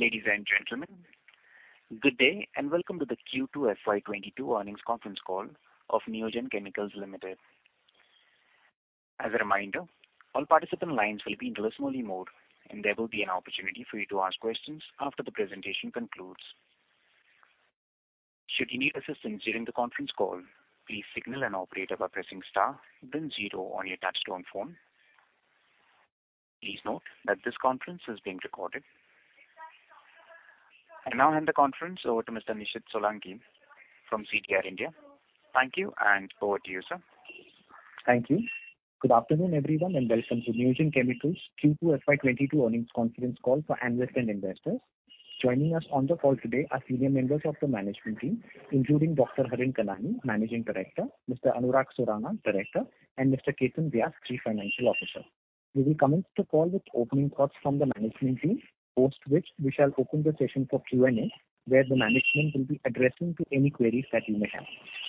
Ladies and gentlemen, good day, and welcome to the Q2 FY 2022 earnings conference call of Neogen Chemicals Limited. As a reminder, all participant lines will be in listen only mode, and there will be an opportunity for you to ask questions after the presentation concludes. Should you need assistance during the conference call, please signal an operator by pressing star then zero on your touchtone phone. Please note that this conference is being recorded. I now hand the conference over to Mr. Nishid Solanki from CDR India. Thank you and over to you, sir. Thank you. Good afternoon, everyone, and welcome to Neogen Chemicals Q2 FY 2022 earnings conference call for analysts and investors. Joining us on the call today are senior members of the management team, including Dr. Harin Kanani, Managing Director, Mr. Anurag Surana, Director, and Mr. Ketan Vyas, Chief Financial Officer. We will commence the call with opening thoughts from the management team, post which we shall open the session for Q&A, where the management will be addressing to any queries that you may have.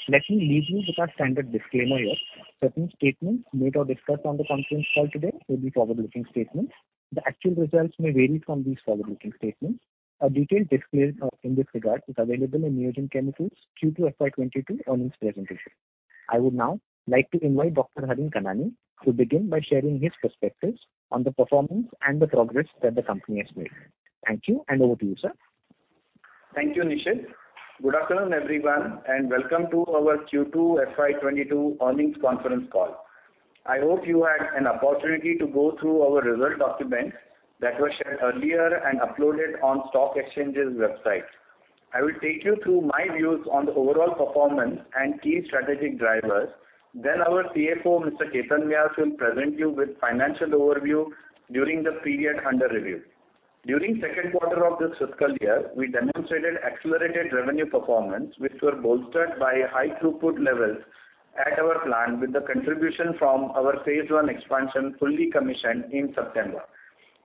Let me leave you with our standard disclaimer here. Certain statements made or discussed on the conference call today may be forward-looking statements. The actual results may vary from these forward-looking statements. A detailed disclaimer in this regard is available in Neogen Chemicals Q2 FY 2022 earnings presentation. I would now like to invite Dr. Harin Kanani to begin by sharing his perspectives on the performance and the progress that the company has made. Thank you, and over to you, sir. Thank you, Nishid. Good afternoon, everyone, and welcome to our Q2 FY 2022 earnings conference call. I hope you had an opportunity to go through our results documents that were shared earlier and uploaded on stock exchanges website. I will take you through my views on the overall performance and key strategic drivers. Then our CFO, Mr. Ketan Vyas, will present you with financial overview during the period under review. During second quarter of this fiscal year, we demonstrated accelerated revenue performance, which were bolstered by high throughput levels at our plant with the contribution from our phase one expansion fully commissioned in September.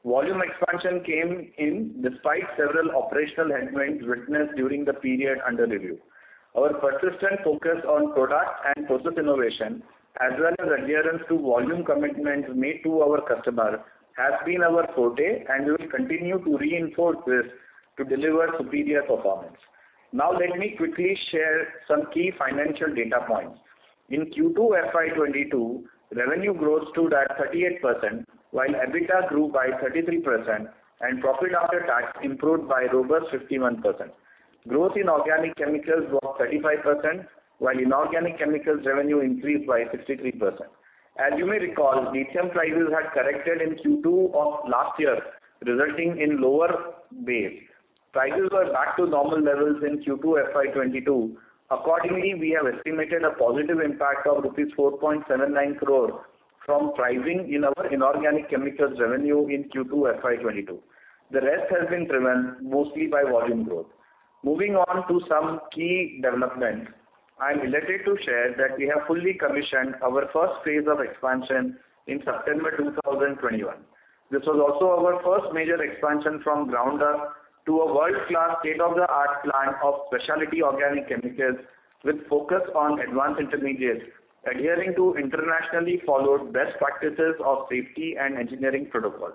Volume expansion came in despite several operational headwinds witnessed during the period under review. Our persistent focus on product and process innovation, as well as adherence to volume commitments made to our customers, has been our forte and we will continue to reinforce this to deliver superior performance. Now let me quickly share some key financial data points. In Q2 FY 2022, revenue growth stood at 38%, while EBITDA grew by 33% and profit after tax improved by robust 51%. Growth in organic chemicals was 35%, while inorganic chemicals revenue increased by 63%. As you may recall, DCM prices had corrected in Q2 of last year, resulting in lower base. Prices are back to normal levels in Q2 FY 2022. Accordingly, we have estimated a positive impact of rupees 4.79 crores from pricing in our inorganic chemicals revenue in Q2 FY 2022. The rest has been driven mostly by volume growth. Moving on to some key developments. I am delighted to share that we have fully commissioned our phase I of expansion in September 2021. This was also our first major expansion from ground up to a world-class state of the art plant of specialty organic chemicals with focus on advanced intermediates, adhering to internationally followed best practices of safety and engineering protocols.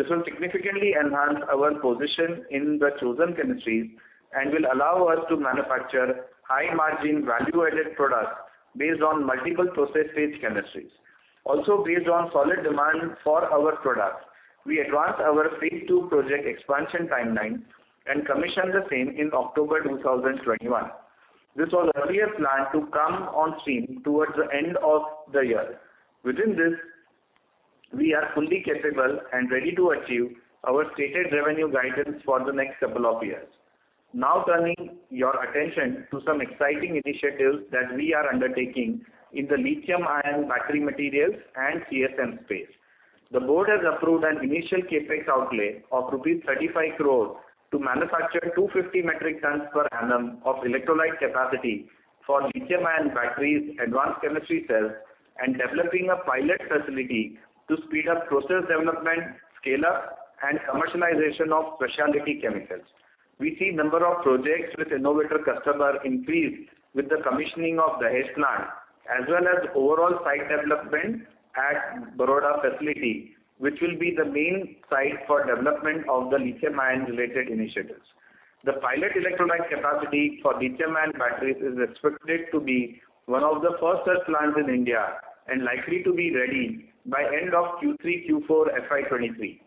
This will significantly enhance our position in the chosen chemistries and will allow us to manufacture high margin value-added products based on multiple process stage chemistries. Based on solid demand for our products, we advanced our phase II project expansion timeline and commissioned the same in October 2021. This was earlier planned to come on stream towards the end of the year. Within this, we are fully capable and ready to achieve our stated revenue guidance for the next couple of years. Now turning your attention to some exciting initiatives that we are undertaking in the lithium-ion battery materials and CSM space. The board has approved an initial CapEx outlay of rupees 35 crore to manufacture 250 metric tons per annum of electrolyte capacity for lithium-ion batteries, advanced chemistry cells, and developing a pilot facility to speed up process development, scale-up, and commercialization of specialty chemicals. We see number of projects with innovator customer increase with the commissioning of Dahej plant as well as overall site development at Baroda facility, which will be the main site for development of the lithium-ion related initiatives. The pilot electrolyte capacity for lithium-ion batteries is expected to be one of the first such plants in India and likely to be ready by end of Q3-Q4 FY 2023.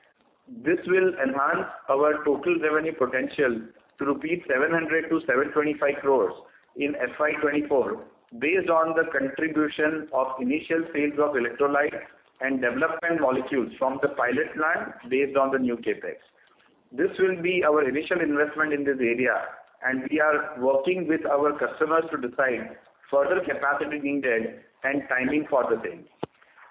This will enhance our total revenue potential to rupees 700 crores- 725 crores in FY 2024 based on the contribution of initial sales of electrolyte and development molecules from the pilot plant based on the new CapEx. This will be our initial investment in this area, and we are working with our customers to decide further capacity needed and timing for the same.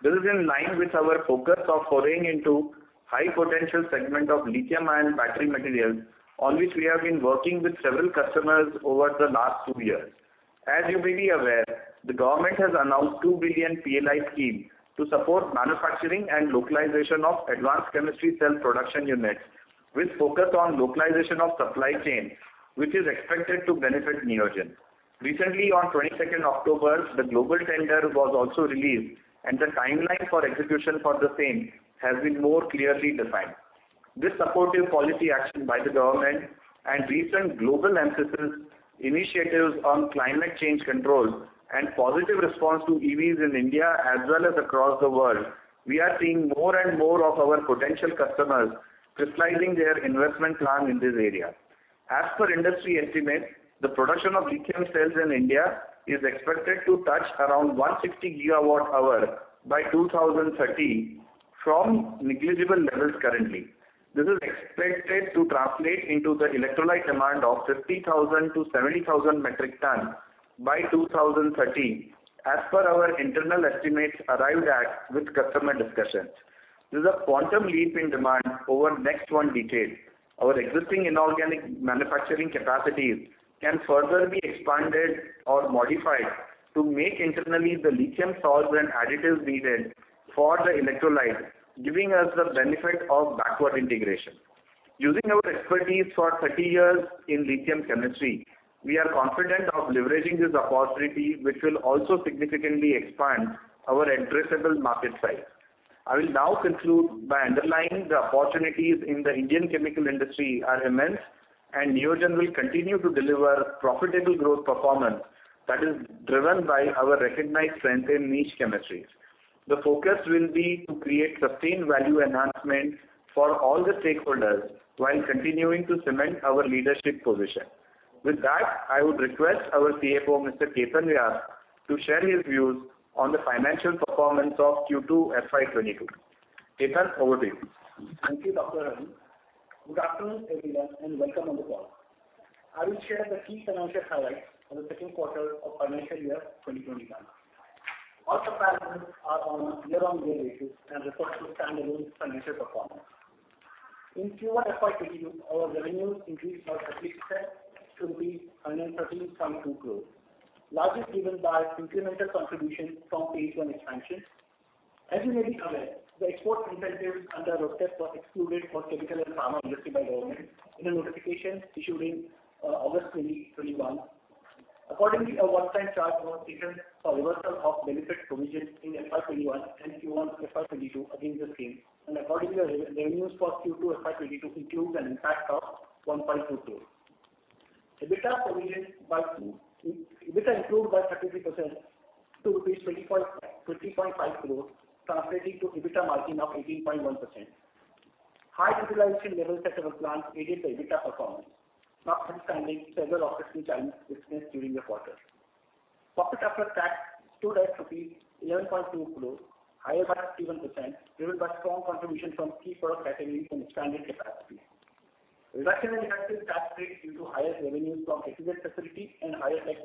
This is in line with our focus of foraying into high potential segment of lithium-ion battery materials on which we have been working with several customers over the last two years. As you may be aware, the government has announced 2 billion PLI scheme to support manufacturing and localization of advanced chemistry cell production units with focus on localization of supply chain, which is expected to benefit Neogen. Recently, on 22 October, the global tender was also released, and the timeline for execution for the same has been more clearly defined. This supportive policy action by the government and recent global emphasis initiatives on climate change control and positive response to EVs in India as well as across the world, we are seeing more and more of our potential customers crystallizing their investment plan in this area. As per industry estimates, the production of lithium cells in India is expected to touch around 160 GW hours by 2030 from negligible levels currently. This is expected to translate into the electrolyte demand of 50,000-70,000 metric tons by 2030, as per our internal estimates arrived at with customer discussions. This is a quantum leap in demand over the next decade. Our existing inorganic manufacturing capacities can further be expanded or modified to make internally the lithium salts and additives needed for the electrolytes, giving us the benefit of backward integration. Using our expertise for 30 years in lithium chemistry, we are confident of leveraging this opportunity, which will also significantly expand our addressable market size. I will now conclude by underlining the opportunities in the Indian chemical industry are immense, and Neogen will continue to deliver profitable growth performance that is driven by our recognized strength in niche chemistries. The focus will be to create sustained value enhancement for all the stakeholders while continuing to cement our leadership position. With that, I would request our CFO, Mr. Ketan Vyas, to share his views on the financial performance of Q2 FY 2022. Ketan, over to you. Thank you, Dr. Harin. Good afternoon, everyone, and welcome on the call. I will share the key financial highlights for the second quarter of FY 2021. All comparisons are on year-on-year basis and refer to standalone financial performance. In Q1 FY 2022, our revenues increased by 37% to INR 113.2 crores, largely driven by incremental contribution from phase I expansion. As you may be aware, the export incentive under RoDTEP was excluded for chemical and pharma industry by government in a notification issued in August 2021. Accordingly, a one-time charge was taken for reversal of benefit provision in FY 2021 and Q1 FY 2022 against the same, and accordingly, the revenues for Q2 FY 2022 includes an impact of 1.2 crores. EBITDA improved by 33% to rupees 20.5 crores, translating to EBITDA margin of 18.1%. High utilization levels at our plant aided the EBITDA performance, notwithstanding several operational challenges faced during the quarter. Profit after tax stood at rupees 11.2 crores, higher by 31%, driven by strong contribution from key product categories and expanded capacity. Reduction in effective tax rate due to higher revenues from SEZ facility and higher tax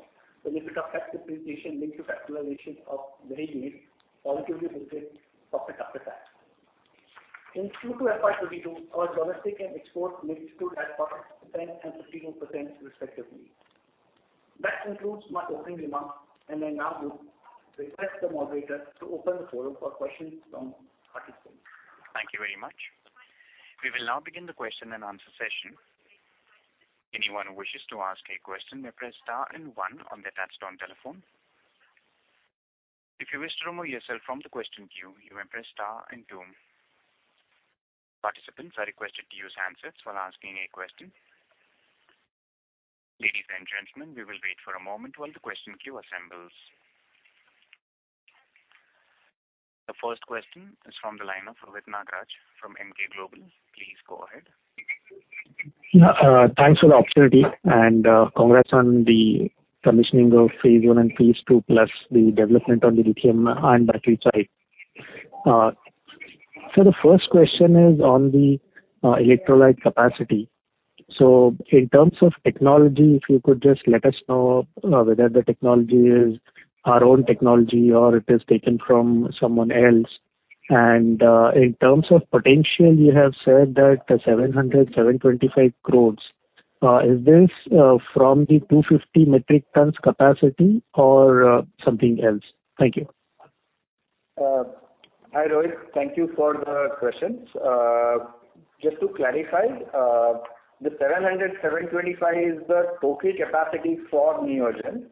benefit of tax equalization linked to factoring of VAT also boosted profit after tax. In Q2 FY 2022, our domestic and export mix stood at 40% and 52% respectively. That concludes my opening remarks, and I now would request the moderator to open the forum for questions from participants. Thank you very much. We will now begin the question and answer session. Anyone who wishes to ask a question may press star and one on their touchtone telephone. If you wish to remove yourself from the question queue, you may press star and two. Participants are requested to use handsets while asking a question. Ladies and gentlemen, we will wait for a moment while the question queue assembles. The first question is from the line of Rohit Nagraj from Emkay Global. Please go ahead. Yeah, thanks for the opportunity and congrats on the commissioning of phase I and phase II, plus the development on the lithium ion battery side. The first question is on the electrolyte capacity. In terms of technology, if you could just let us know whether the technology is our own technology or it is taken from someone else. In terms of potential, you have said that 700 crore- 725 crore. Is this from the 250 metric tons capacity or something else? Thank you. Hi, Rohit. Thank you for the questions. Just to clarify, the 700 crore- 725 crore is the total capacity for Neogen.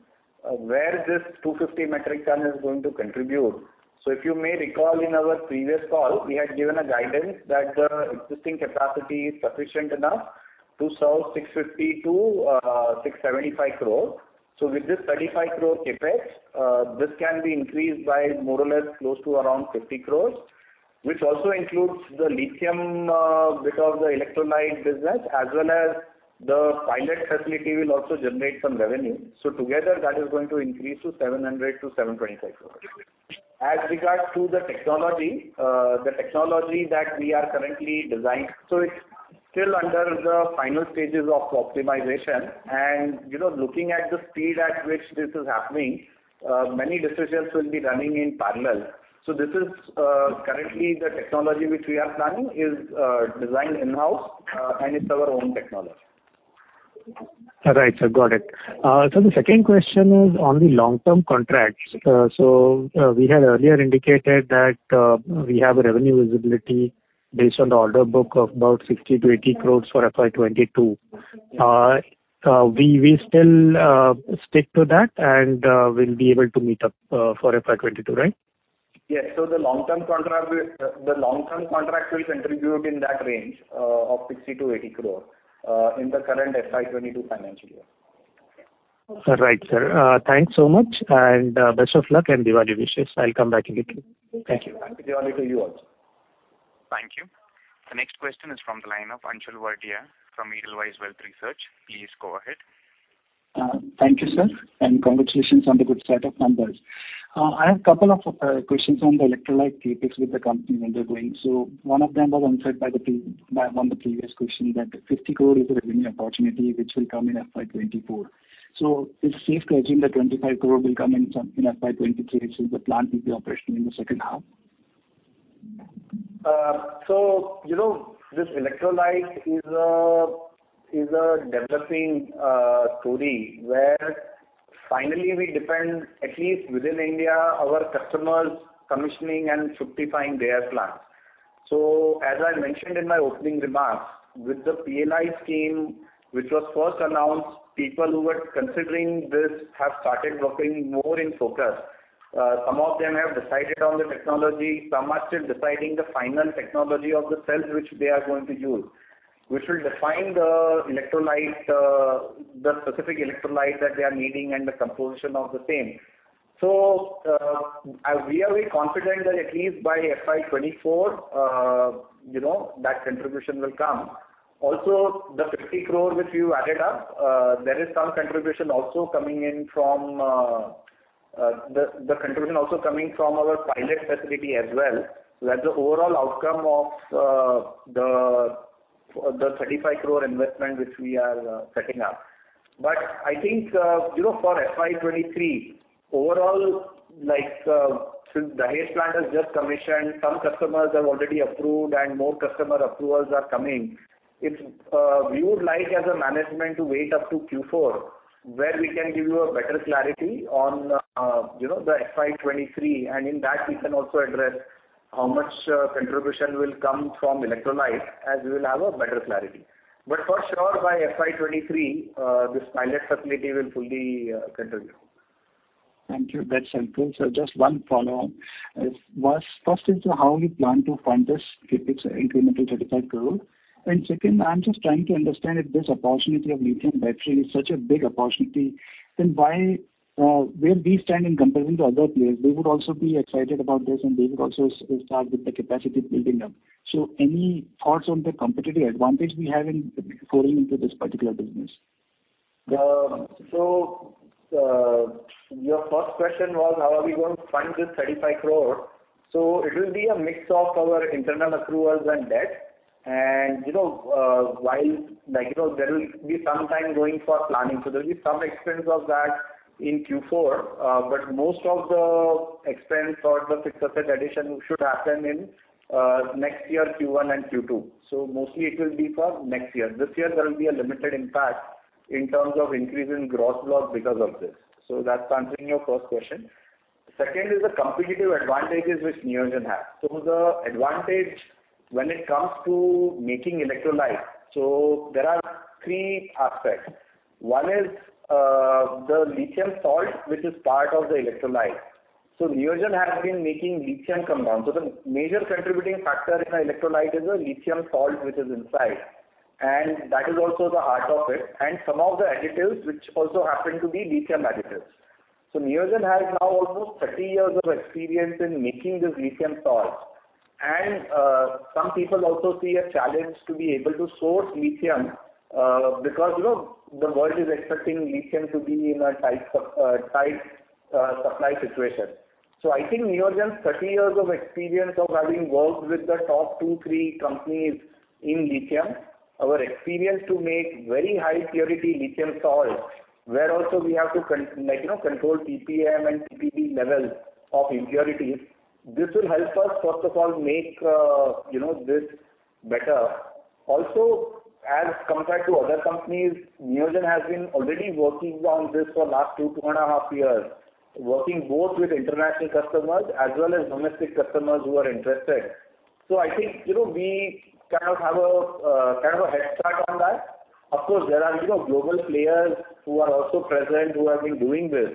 Where this 250 metric ton is going to contribute. If you may recall in our previous call, we had given a guidance that the existing capacity is sufficient enough to serve 650 crore-675 crore. With this 35 crore CapEx, this can be increased by more or less close to around 50 crore, which also includes the lithium bit of the electrolyte business, as well as the pilot facility will also generate some revenue. Together, that is going to increase to 700 crore-725 crore. As regards to the technology, the technology that we are currently designing, so it's still under the final stages of optimization. You know, looking at the speed at which this is happening, many decisions will be running in parallel. This is currently the technology which we are planning is designed in-house, and it's our own technology. All right, sir. Got it. The second question is on the long-term contracts. We had earlier indicated that we have a revenue visibility based on the order book of about 60 crore-80 crore for FY 2022. We still stick to that and we'll be able to meet up for FY 2022, right? Yes. The long term contract will contribute in that range of 60 crore-80 crore in the current FY 2022 financial year. All right, sir. Thanks so much and best of luck and Diwali wishes. I'll come back again. Thank you. Happy Diwali to you all. Thank you. The next question is from the line of Anshul Verdia from Edelweiss Wealth Research. Please go ahead. Thank you, sir, and congratulations on the good set of numbers. I have a couple of questions on the electrolyte CapEx with the company when they're going. One of them was answered on the previous question that 50 crore is a revenue opportunity which will come in FY 2024. It's safe to assume that 25 crore will come in FY 2023, since the plant will be operational in the second half? You know, this electrolyte is a developing story where finally we depend on, at least within India, our customers commissioning and fructifying their plants. As I mentioned in my opening remarks, with the PLI scheme, which was first announced, people who were considering this have started working more in focus. Some of them have decided on the technology. Some are still deciding the final technology of the cells, which they are going to use. Which will define the electrolytes, the specific electrolyte that they are needing and the composition of the same. We are very confident that at least by FY 2024, you know, that contribution will come. Also, the 50 crore which you added up, there is some contribution also coming in from our pilot facility as well, where the overall outcome of the 35 crore investment which we are setting up. I think, you know, for FY 2023 overall, like, since Dahej plant has just commissioned, some customers have already approved and more customer approvals are coming. It's that we would like as a management to wait up to Q4, where we can give you a better clarity on, you know, the FY 2023, and in that we can also address how much contribution will come from electrolyte as we will have a better clarity. For sure, by FY 2023, this pilot facility will fully contribute. Thank you. That's helpful. Just one follow on. First is how you plan to fund this CapEx incremental 35 crore. Second, I'm just trying to understand if this opportunity of lithium battery is such a big opportunity, then why, where we stand in comparison to other players? They would also be excited about this, and they would also start with the capacity building up. Any thoughts on the competitive advantage we have in going into this particular business? Your first question was, how are we going to fund this 35 crore? It will be a mix of our internal accruals and debt. You know, while, like, you know, there will be some time going for planning, so there will be some expense of that in Q4. Most of the expense for the fixed asset addition should happen in next year, Q1 and Q2. Mostly it will be for next year. This year there will be a limited impact in terms of increase in gross block because of this. That's answering your first question. Second is the competitive advantages which Neogen has. The advantage when it comes to making electrolyte, so there are three aspects. One is the lithium salt, which is part of the electrolyte. Neogen has been making lithium compounds. The major contributing factor in the electrolyte is the lithium salt which is inside, and that is also the heart of it. Some of the additives which also happen to be lithium additives. Neogen has now almost 30 years of experience in making this lithium salt. Some people also see a challenge to be able to source lithium, because, you know, the world is expecting lithium to be in a tight supply situation. I think Neogen's 30 years of experience of having worked with the top two, three companies in lithium, our experience to make very high purity lithium salts, where also we have to control PPM and PPB levels of impurities. This will help us, first of all, make, you know, this better. Also, as compared to other companies, Neogen has been already working on this for last two and a half years, working both with international customers as well as domestic customers who are interested. I think, you know, we kind of have a head start on that. Of course, there are, you know, global players who are also present who have been doing this.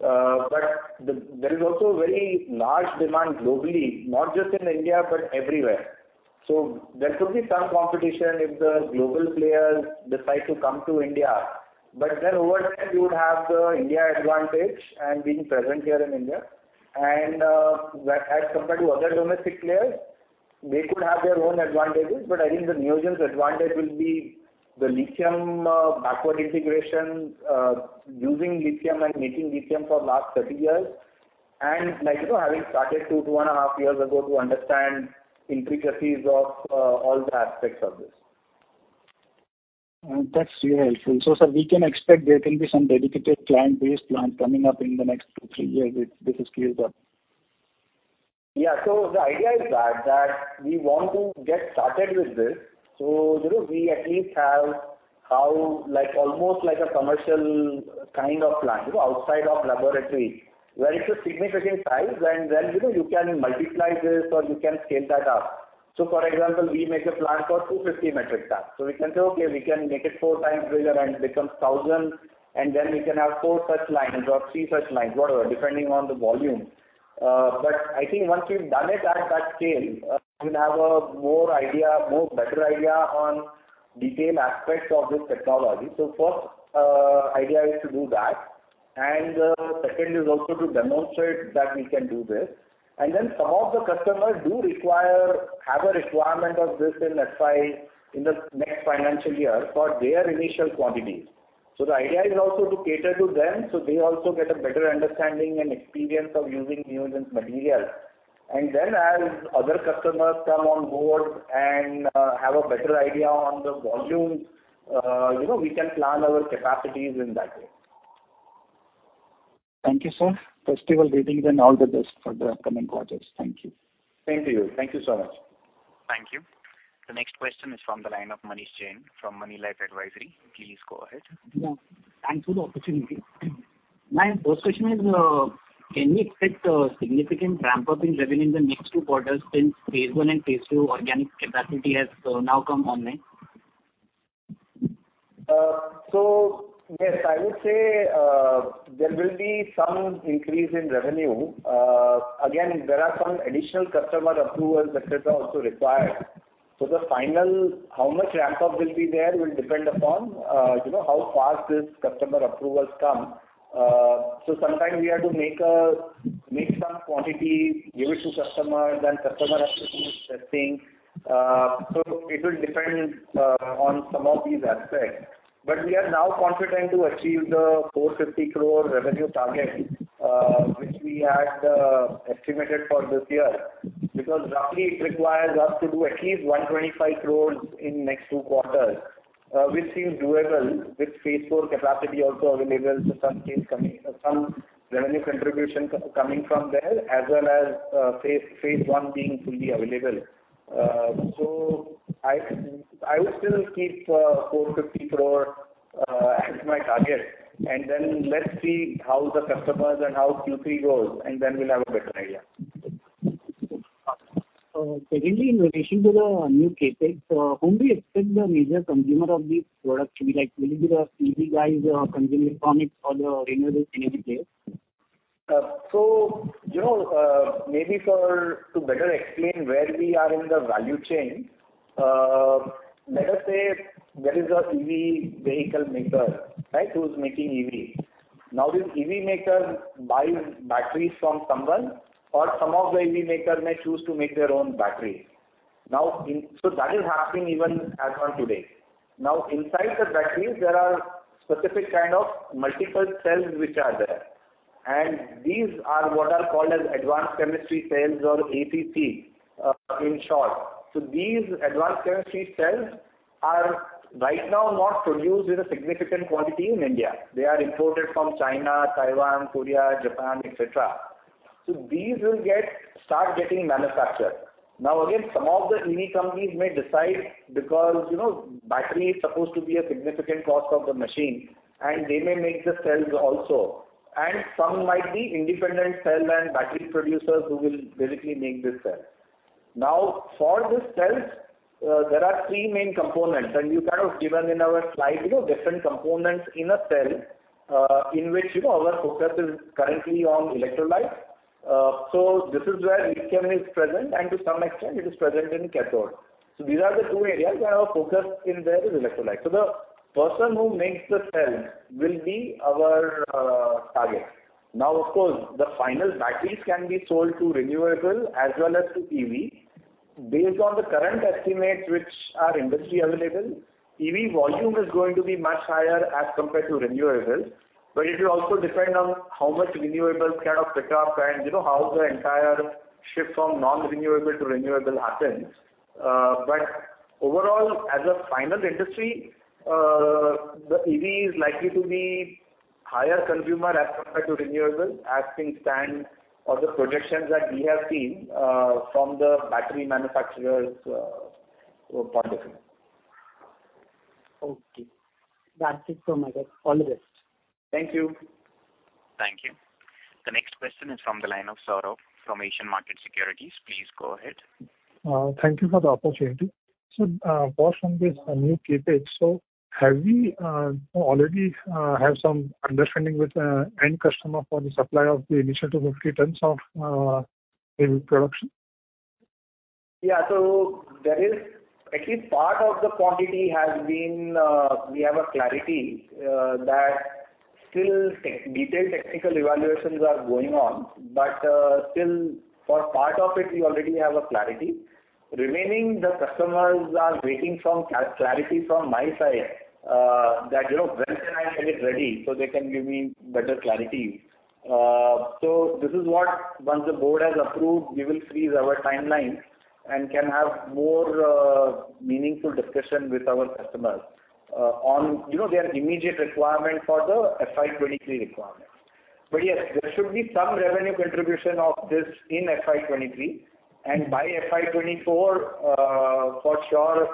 There is also a very large demand globally, not just in India, but everywhere. There could be some competition if the global players decide to come to India. Over time, you would have the India advantage and being present here in India and, whereas compared to other domestic players, they could have their own advantages. I think Neogen's advantage will be the lithium backward integration, using lithium and making lithium for last 30 years. Like, you know, having started two and a half years ago to understand intricacies of all the aspects of this. That's really helpful. Sir, we can expect there can be some dedicated client base plant coming up in the next 2-3 years if this is cleared up. Yeah. The idea is that we want to get started with this. You know, we at least have, like, almost like a commercial kind of plant, you know, outside of laboratory where it's a significant size and then, you know, you can multiply this or you can scale that up. For example, we make a plant for 250 metric ton. We can say, okay, we can make it four times bigger and it becomes 1,000, and then we can have four such lines or three such lines, whatever, depending on the volume. I think once we've done it at that scale, we'll have a better idea on detailed aspects of this technology. First, idea is to do that, and second is also to demonstrate that we can do this. Some of the customers have a requirement of this in FY, in the next financial year for their initial quantities. The idea is also to cater to them, so they also get a better understanding and experience of using new materials. As other customers come on board and have a better idea on the volumes, you know, we can plan our capacities in that way. Thank you, sir. Festival greetings and all the best for the upcoming quarters. Thank you. Thank you. Thank you so much. Thank you. The next question is from the line of Manish Jain from Moneylife Advisory. Please go ahead. Yeah. Thanks for the opportunity. My first question is, can we expect a significant ramp-up in revenue in the next two quarters since phase I and phase II organic capacity has now come online? Yes, I would say there will be some increase in revenue. Again, there are some additional customer approvals that is also required. The final, how much ramp-up will be there will depend upon, you know, how fast these customer approvals come. Sometime we have to make some quantity, give it to customers, then customer has to do testing. It will depend on some of these aspects. We are now confident to achieve the 450 crore revenue target, which we had estimated for this year. Roughly it requires us to do at least 125 crore in next two quarters, which seems doable with phase II capacity also available to some extent, some revenue contribution coming from there, as well as phase I being fully available. I would still keep 450 crore as my target, and then let's see how the customers and how Q3 goes, and then we'll have a better idea. Secondly, in relation to the new CapEx, whom do you expect the major consumer of this product to be like? Will it be the EV guys or consumer electronics or the renewable energy players? You know, maybe to better explain where we are in the value chain, let us say there is an EV vehicle maker, right, who's making EV. This EV maker buys batteries from someone or some of the EV maker may choose to make their own battery. That is happening even as of today. Inside the batteries, there are specific kind of multiple cells which are there. These are what are called as advanced chemistry cells or ACC in short. These advanced chemistry cells are right now not produced in a significant quantity in India. They are imported from China, Taiwan, Korea, Japan, et cetera. These will start getting manufactured. Now again, some of the EV companies may decide because, you know, battery is supposed to be a significant cost of the machine, and they may make the cells also. Some might be independent cell and battery producers who will basically make this cell. Now, for this cells, there are three main components, and you kind of given in our slide, you know, different components in a cell, in which, you know, our focus is currently on electrolyte. This is where lithium chemistry is present, and to some extent it is present in cathode. These are the two areas where our focus in there is electrolyte. The person who makes the cell will be our target. Now, of course, the final batteries can be sold to renewable as well as to EV. Based on the current estimates which are industry available, EV volume is going to be much higher as compared to renewables. It will also depend on how much renewables kind of pick up and, you know, how the entire shift from non-renewable to renewable happens. Overall, as a final industry, the EV is likely to be higher consumer as compared to renewables as things stand or the projections that we have seen, from the battery manufacturers' point of view. Okay. That's it from my side. All the best. Thank you. Thank you. The next question is from the line of Saurabh from Asian Markets Securities. Please go ahead. Thank you for the opportunity. Boss, from this new CapEx, so have we already have some understanding with the end customer for the supply of the initial 50 tons of EV production? Actually, part of the quantity has been, we have a clarity that detailed technical evaluations are going on, but still for part of it, we already have a clarity. Remaining, the customers are waiting for clarity from my side, you know, when can I get it ready so they can give me better clarity. This is what once the board has approved, we will freeze our timelines and can have more meaningful discussion with our customers, you know, their immediate requirement for the FY 2023 requirement. Yes, there should be some revenue contribution of this in FY 2023. By FY 2024, for sure,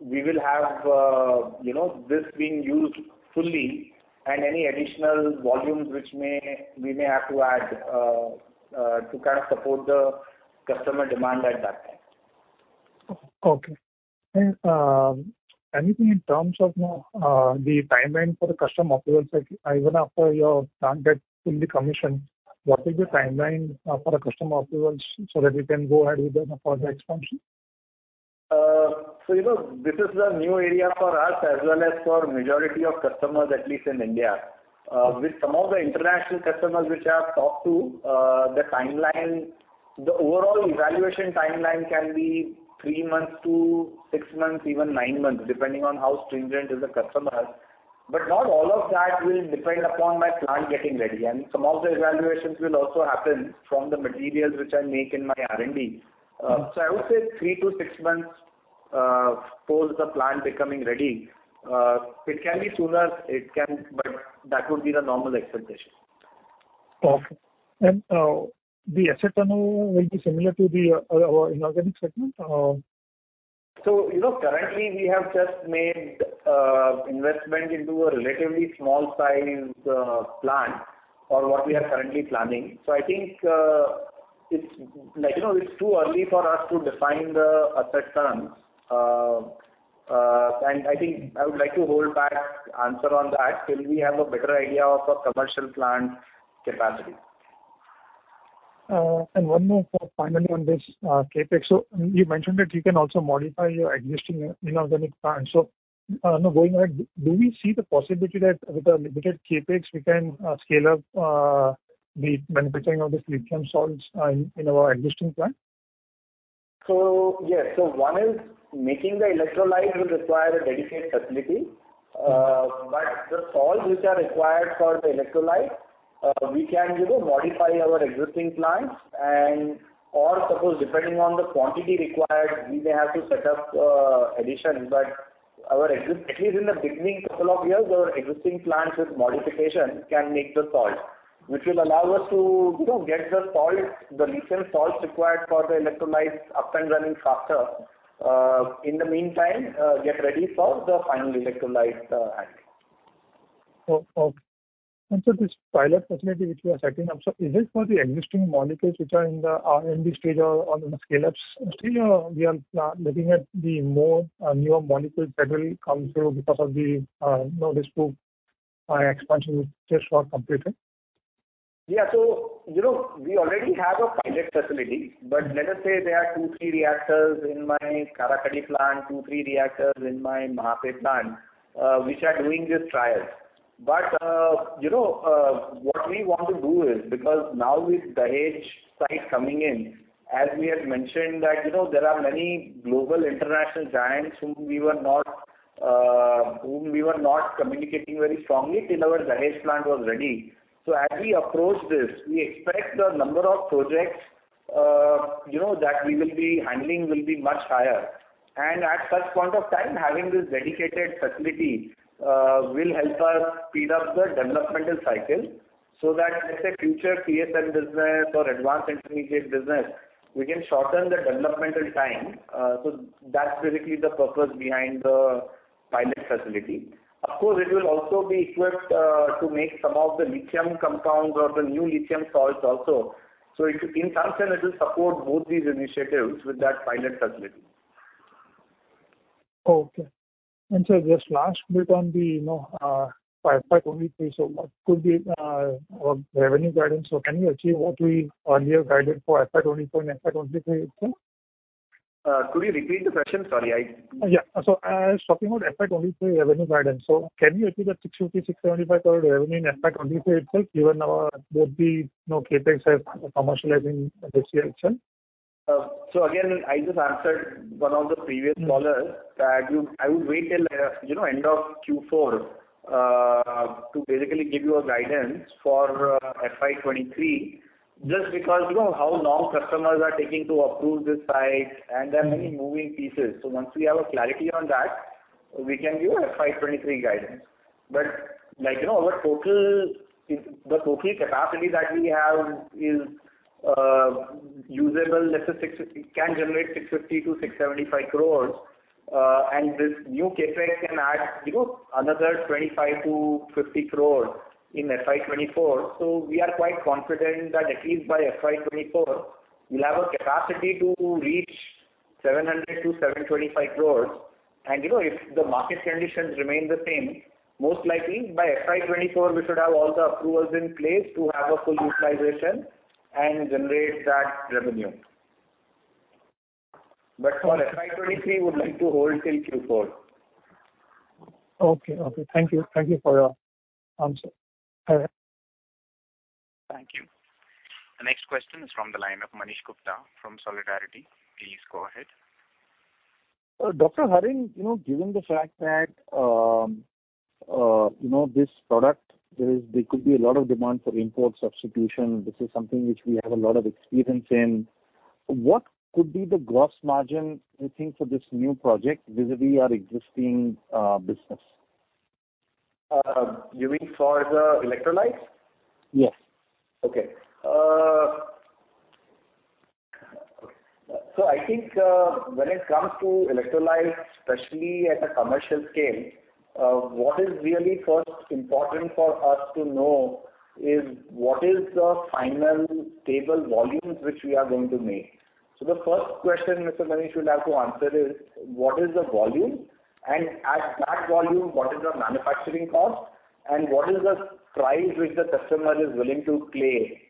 we will have, you know, this being used fully and any additional volumes which we may have to add to kind of support the customer demand at that time. Anything in terms of the timeline for the customer approvals, like even after your plant gets fully commissioned, what is the timeline for the customer approvals so that you can go ahead with the expansion? You know, this is a new area for us as well as for majority of customers, at least in India. With some of the international customers which I have talked to, the timeline, the overall evaluation timeline can be three months to six months, even nine months, depending on how stringent is the customer. Not all of that will depend upon my plant getting ready, and some of the evaluations will also happen from the materials which I make in my R&D. I would say three to six months post the plant becoming ready. It can be sooner, it can, but that would be the normal expectation. Okay. The asset turnover will be similar to our inorganic segment? You know, currently we have just made investment into a relatively small size plant for what we are currently planning. I think it's like, you know, it's too early for us to define the asset terms. I think I would like to hold back answer on that till we have a better idea of our commercial plant capacity. One more finally on this, CapEx. You mentioned that you can also modify your existing inorganic plant. Now going ahead, do we see the possibility that with a limited CapEx we can scale up the manufacturing of these lithium salts in our existing plant? Yes. One is making the electrolyte will require a dedicated facility, but the salts which are required for the electrolyte, we can, you know, modify our existing plants or suppose depending on the quantity required, we may have to set up addition. But at least in the beginning couple of years, our existing plants with modification can make the salt, which will allow us to, you know, get the salts, the lithium salts required for the electrolytes up and running faster. In the meantime, get ready for the final electrolyte handling. Okay. This pilot facility which you are setting up, so is it for the existing molecules which are in the R&D stage or on the scale-ups still, or we are looking at the more newer molecules that will come through because of the you know this new expansion which is not completed? Yeah. You know, we already have a pilot facility. Let us say there are two, three reactors in my Karakhadi plant, two, three reactors in my Mahape plant, which are doing this trial. You know, what we want to do is because now with Dahej site coming in, as we have mentioned, that, you know, there are many global international giants whom we were not communicating very strongly till our Dahej plant was ready. As we approach this, we expect the number of projects, you know, that we will be handling will be much higher. At such point of time, having this dedicated facility, will help us speed up the developmental cycle so that, let's say, future CSM business or advanced intermediate business, we can shorten the developmental time. That's basically the purpose behind the pilot facility. Of course, it will also be equipped to make some of the lithium compounds or the new lithium salts also. In some sense, it will support both these initiatives with that pilot facility. Okay. Just last bit on the, you know, for FY 2023. What could be our revenue guidance? Can you achieve what we earlier guided for FY 2024 and FY 2023 itself? Could you repeat the question? Sorry, I- Talking about FY 2023 revenue guidance, can you achieve that 650-675 crore rupees revenue in FY 2023 itself, given both the, you know, CapEx and commercializing this year itself? Again, I just answered one of the previous callers I would wait till, you know, end of Q4, to basically give you a guidance for FY 2023, just because you know, how long customers are taking to approve this site and there are many moving pieces. Once we have a clarity on that, we can give a FY 2023 guidance. Like, you know, our total is, the total capacity that we have is, usable, let's say 650, can generate 650 crore-675 crore. This new CapEx can add, you know, another 25 crore-50 crore in FY 2024. We are quite confident that at least by FY 2024 we'll have a capacity to reach 700 crore-725 crore. You know, if the market conditions remain the same, most likely by FY 2024 we should have all the approvals in place to have a full utilization and generate that revenue. For FY 2023, would like to hold till Q4. Okay. Thank you for your answer. Thank you. The next question is from the line of Manish Gupta from Solidarity. Please go ahead. Dr. Harin, you know, given the fact that, you know, this product, there could be a lot of demand for import substitution, this is something which we have a lot of experience in. What could be the gross margin, I think, for this new project vis-à-vis our existing business? You mean for the electrolytes? Yes. Okay. I think, when it comes to electrolytes, especially at a commercial scale, what is really first important for us to know is what is the final stable volumes which we are going to make. The first question, Mr. Manish, you'll have to answer is what is the volume? At that volume, what is the manufacturing cost and what is the price which the customer is willing to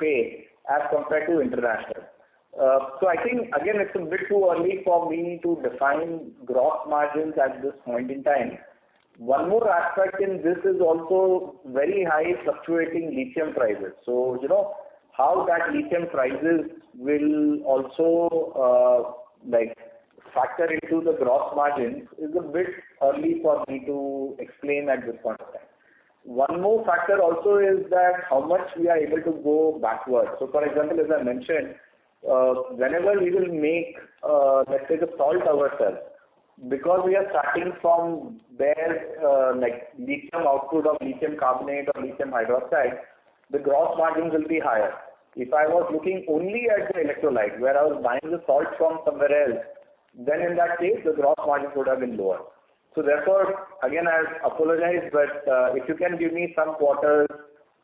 pay as compared to international? I think again, it's a bit too early for me to define gross margins at this point in time. One more aspect in this is also very high fluctuating lithium prices. You know how that lithium prices will also, like, factor into the gross margins is a bit early for me to explain at this point of time. One more factor also is that how much we are able to go backwards. For example, as I mentioned, whenever we will make, let's say the salt ourselves, because we are starting from basic, like lithium output or lithium carbonate or lithium hydroxide, the gross margins will be higher. If I was looking only at the electrolyte where I was buying the salt from somewhere else, then in that case the gross margin would have been lower. Therefore, again, I apologize, but, if you can give me some quarters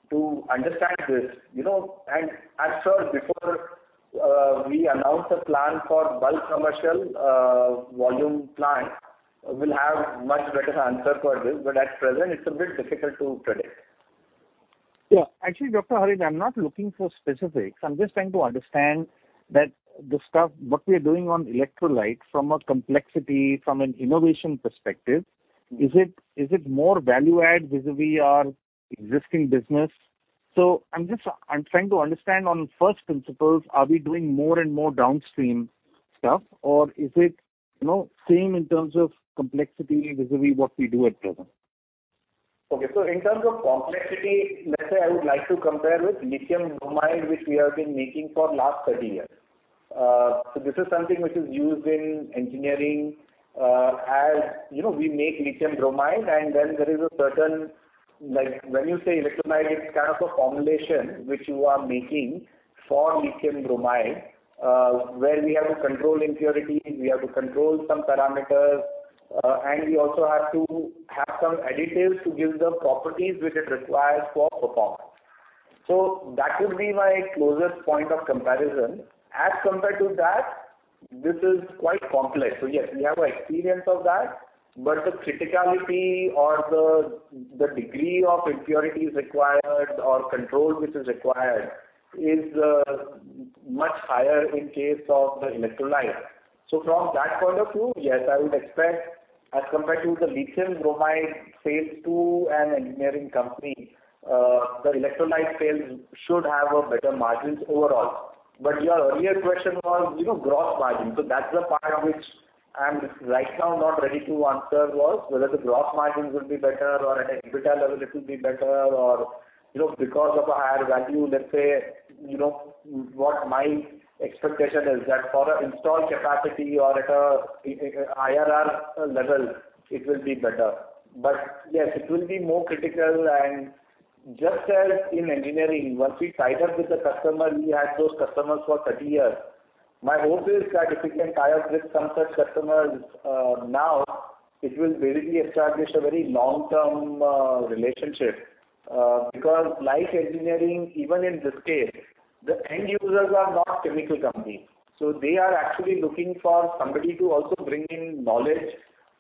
to understand this, you know, and as I said before, we announce a plan for bulk commercial, volume plant, we'll have much better answer for this. At present it's a bit difficult to predict. Yeah. Actually, Dr. Hari, I'm not looking for specifics. I'm just trying to understand that the stuff what we are doing on electrolytes from a complexity, from an innovation perspective, is it more value add vis-a-vis our existing business? I'm trying to understand on first principles, are we doing more and more downstream stuff or is it, you know, same in terms of complexity vis-a-vis what we do at present? Okay. In terms of complexity, let's say I would like to compare with lithium bromide, which we have been making for last 30 years. This is something which is used in engineering. As you know, we make lithium bromide, and then there is a certain. Like when you say electrolyte, it's kind of a formulation which you are making for lithium bromide, where we have to control impurities, we have to control some parameters, and we also have to have some additives to give the properties which it requires for performance. That would be my closest point of comparison. As compared to that, this is quite complex. Yes, we have experience of that. But the criticality or the degree of impurities required or control which is required is much higher in case of the electrolyte. From that point of view, yes, I would expect as compared to the lithium bromide sales to an engineering company, the electrolyte sales should have better margins overall. Your earlier question was, you know, gross margin. That's the part on which I'm right now not ready to answer was whether the gross margins will be better or at EBITDA level it will be better or, you know, because of a higher value, let's say, you know, what my expectation is that for an installed capacity or at a IRR level, it will be better. Yes, it will be more critical. Just as in engineering, once we tie up with the customer, we had those customers for 30 years. My hope is that if we can tie up with some such customers, now it will really establish a very long-term relationship, because like engineering, even in this case, the end users are not chemical companies. So they are actually looking for somebody to also bring in knowledge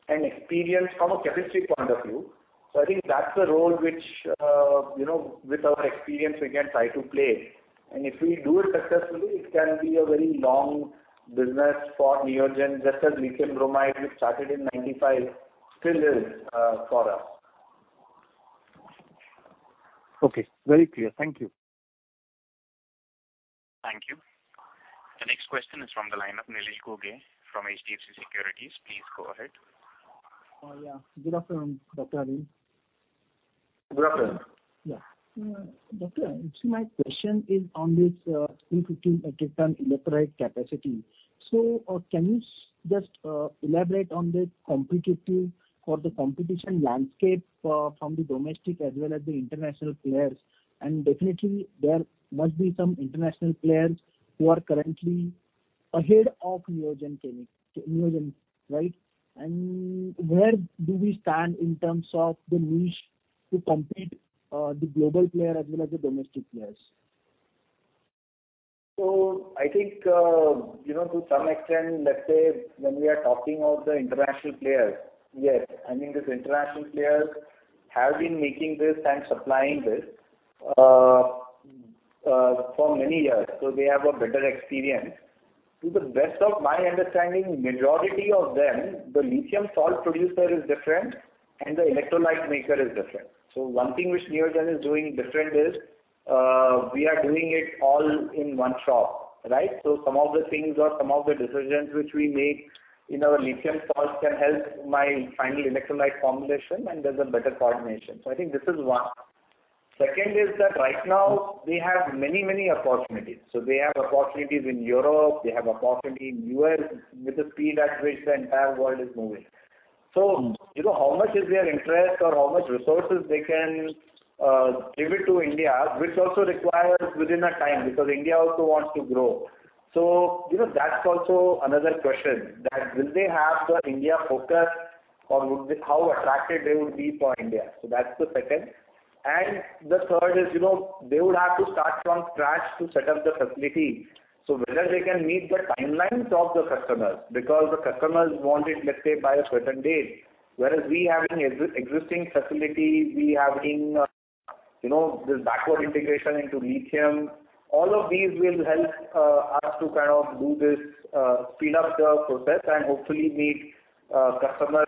and experience from a chemistry point of view. So I think that's a role which, you know, with our experience we can try to play. If we do it successfully, it can be a very long business for Neogen, just as lithium bromide, which started in 1995, still is for us. Okay. Very clear. Thank you. Thank you. The next question is from the line of Nilesh Kuge from HDFC Securities. Please go ahead. Good afternoon, Dr. Harin. Good afternoon. Yeah. Doctor, actually my question is on this 315 Ah electrolyte capacity. Can you just elaborate on the competitive or the competition landscape from the domestic as well as the international players? Definitely there must be some international players who are currently ahead of Neogen, right? Where do we stand in terms of with competing the global player as well as the domestic players? I think, you know, to some extent, let's say when we are talking of the international players, yes, I mean, these international players have been making this and supplying this, for many years, so they have a better experience. To the best of my understanding, majority of them, the lithium salt producer is different and the electrolyte maker is different. One thing which Neogen is doing different is, we are doing it all in one shop, right? Some of the things or some of the decisions which we make in our lithium salts can help my final electrolyte formulation and there's a better coordination. I think this is one. Second is that right now they have many, many opportunities. They have opportunities in Europe, they have opportunity in U.S. with the speed at which the entire world is moving. You know, how much is their interest or how much resources they can give it to India, which also requires within a time, because India also wants to grow. You know, that's also another question, that will they have the India focus or would they how attracted they would be for India. That's the second. The third is, you know, they would have to start from scratch to set up the facility. Whether they can meet the timelines of the customers, because the customers want it, let's say, by a certain date. Whereas we have an existing facility, we have been, you know, this backward integration into lithium. All of these will help us to kind of do this, speed up the process and hopefully meet customer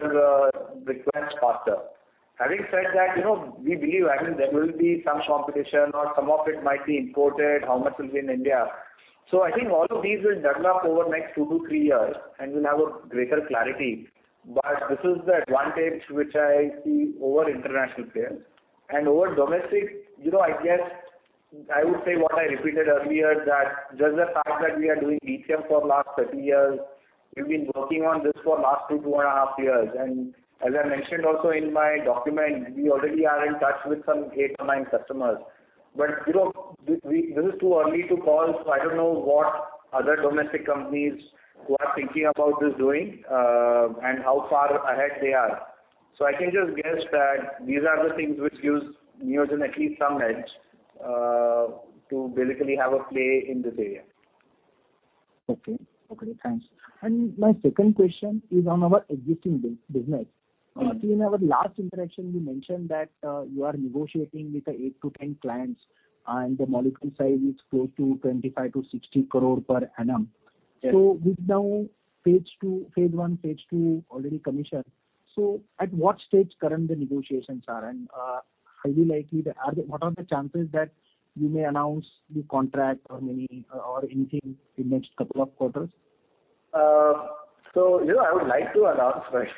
requests faster. Having said that, you know, we believe, I mean, there will be some competition or some of it might be imported, how much will be in India. I think all of these will juggle up over next 2-3 years, and we'll have a greater clarity. This is the advantage which I see over international players. Over domestic, you know, I guess I would say what I repeated earlier, that just the fact that we are doing lithium for last 30 years, we've been working on this for last two and a half years. As I mentioned also in my document, we already are in touch with some 8-9 customers. But, you know, we this is too early to call, so I don't know what other domestic companies who are thinking about this doing, and how far ahead they are. I can just guess that these are the things which gives Neogen at least some edge, to basically have a play in this area. Okay. Okay, thanks. My second question is on our existing business. Mm-hmm. I think in our last interaction you mentioned that you are negotiating with the 8-10 clients, and the molecule size is close to 25 crore-60 crore per annum. Yes. Now with phase I, phase II already commissioned, at what stage are the current negotiations? What are the chances that you may announce new contract or anything in next couple of quarters? You know, I would like to announce, but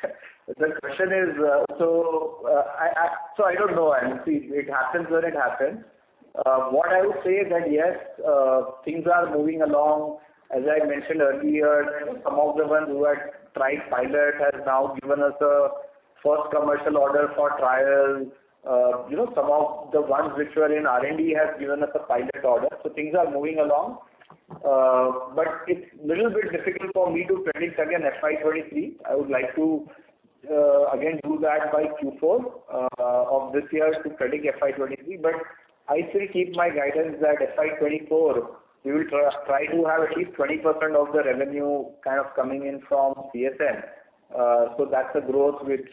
the question is, I don't know, and see it happens when it happens. What I would say is that, yes, things are moving along. As I mentioned earlier, some of the ones who had tried pilot has now given us a first commercial order for trials. You know, some of the ones which were in R&D have given us a pilot order. Things are moving along. It's little bit difficult for me to predict again FY 2023. I would like to, again, do that by Q4 of this year to predict FY 2023. I still keep my guidance that FY 2024 we will try to have at least 20% of the revenue kind of coming in from CSM. That's a growth which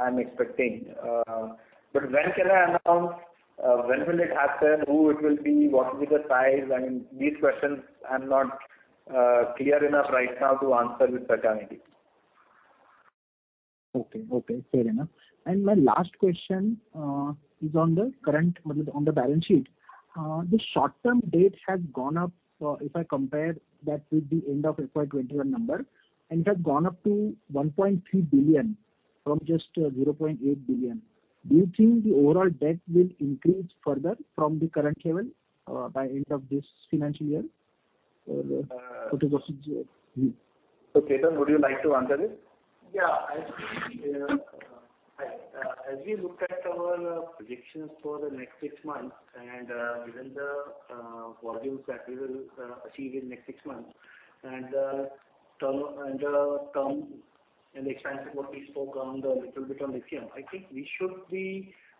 I'm expecting. When can I announce, when will it happen, who it will be, what will be the size? I mean, these questions I'm not clear enough right now to answer with certainty. Okay. Okay, fair enough. My last question is on the balance sheet. The short-term debt has gone up, if I compare that with the end of FY 2021 number, and it has gone up to 1.3 billion from just 0.8 billion. Do you think the overall debt will increase further from the current level, by end of this financial year? Or what is your- Ketan, would you like to answer this? Yeah. I think as we look at our predictions for the next six months and within the volumes that we will achieve in next six months and short-term and the extent of what we spoke a little bit on lithium, I think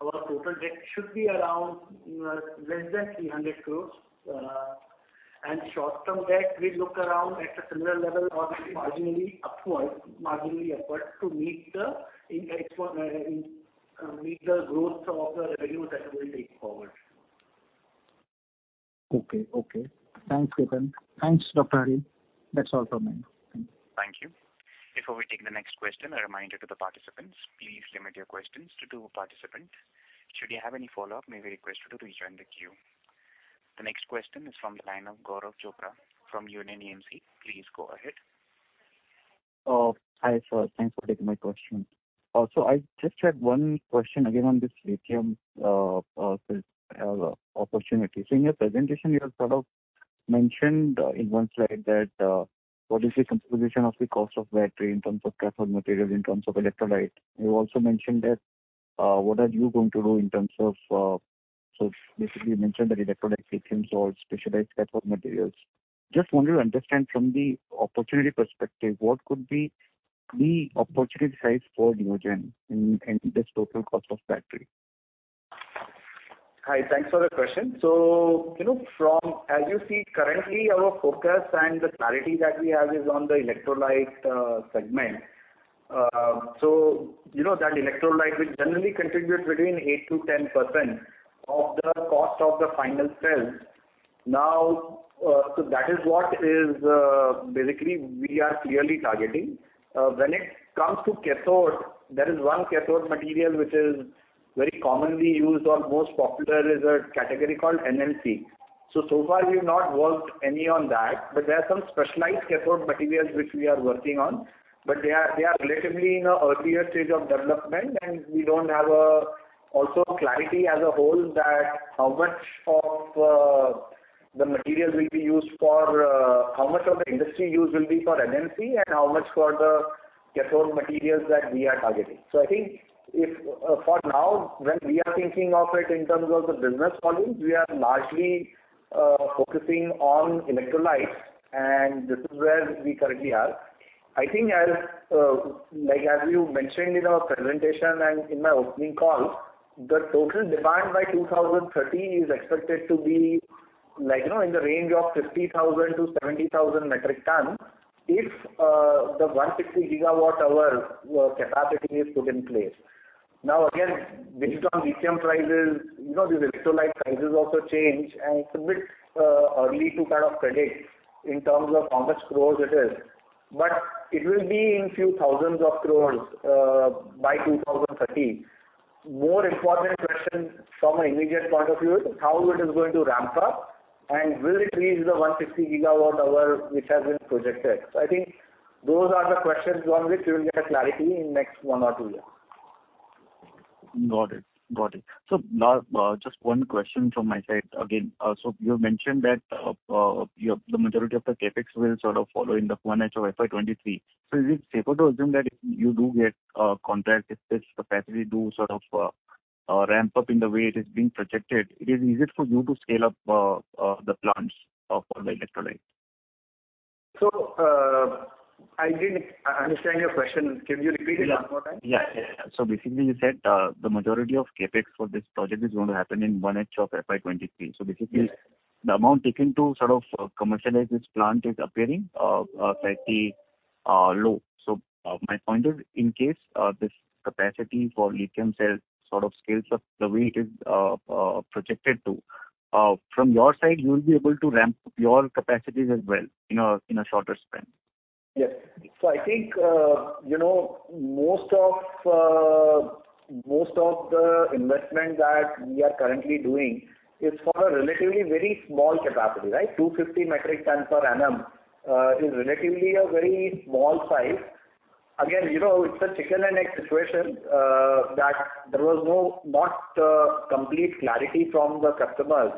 our total debt should be around less than 300 crore. Short-term debt will look around at a similar level or marginally upward to meet the growth of the revenue that we'll take forward. Okay. Thanks, Ketan. Thanks, Dr. Harin. That's all from me. Thank you. Thank you. Before we take the next question, a reminder to the participants, please limit your questions to two per participant. Should you have any follow-up, may we request you to rejoin the queue. The next question is from the line of Gaurav Chopra from Union AMC. Please go ahead. Oh, hi, sir. Thanks for taking my question. I just had one question again on this lithium opportunity. In your presentation, you had sort of mentioned in one slide that what is the composition of the cost of battery in terms of cathode materials, in terms of electrolyte. You also mentioned that what are you going to do in terms of basically you mentioned that electrolyte lithium or specialized cathode materials. Just wanted to understand from the opportunity perspective, what could be the opportunity size for Neogen in this total cost of battery? Hi, thanks for the question. You know, from as you see currently our focus and the clarity that we have is on the electrolyte segment. You know that electrolyte which generally contributes between 8%-10% of the cost of the final cell. Now, that is what basically we are clearly targeting. When it comes to cathode, there is one cathode material which is very commonly used or most popular is a category called NMC. So far we've not worked any on that. But there are some specialized cathode materials which we are working on, but they are relatively in an earlier stage of development, and we don't have also a clarity as a whole that how much of the material will be used for. How much of the industry use will be for NMC and how much for the cathode materials that we are targeting? I think for now, when we are thinking of it in terms of the business volumes, we are largely focusing on electrolytes, and this is where we currently are. I think as like as you mentioned in our presentation and in my opening call, the total demand by 2030 is expected to be like, you know, in the range of 50,000-70,000 metric tons if the 150 GWh capacity is put in place. Now, again, based on lithium prices, you know, these electrolyte prices also change, and it's a bit early to kind of predict in terms of how much crores it is. It will be in few thousands of crores by 2030. More important question from an immediate point of view is how it is going to ramp up and will it reach the 150 GWh which has been projected. I think those are the questions on which we will get a clarity in next one or two years. Got it. Now, just one question from my side again. You've mentioned that the majority of the CapEx will sort of follow in the first half of FY 2023. Is it safe to assume that if you do get a contract, if this capacity does sort of ramp up in the way it is being projected, is it easy for you to scale up the plants of all the electrolytes? I didn't understand your question. Can you repeat it one more time? Basically you said, the majority of CapEx for this project is going to happen in one half of FY 2023. Yeah. Basically, the amount taken to sort of commercialize this plant is appearing slightly low. My point is, in case this capacity for lithium cells sort of scales up the way it is projected to from your side, you will be able to ramp up your capacities as well in a shorter span. Yes. I think, you know, most of the investment that we are currently doing is for a relatively very small capacity, right? 250 metric ton per annum is relatively a very small size. Again, you know, it's a chicken and egg situation that there was not complete clarity from the customers.